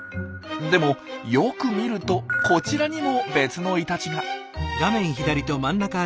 でもよく見るとこちらにも別のイタチが。